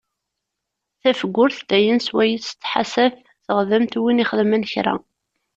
Tafgurt d ayen swayes tettḥasaf teɣdemt win ixedmen kra.